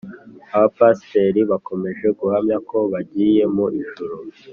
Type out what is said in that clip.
Abapasiteri bakomeje guhamya ko bagiye mu ijuru